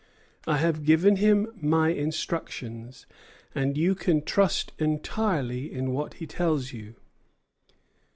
I have given him my instructions, and you can trust entirely in what he tells you."